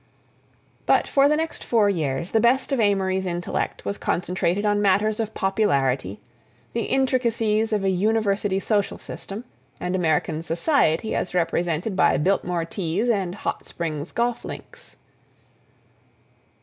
But for the next four years the best of Amory's intellect was concentrated on matters of popularity, the intricacies of a university social system and American Society as represented by Biltmore Teas and Hot Springs golf links.